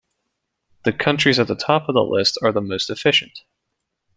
The countries at the top of the list are the most efficient.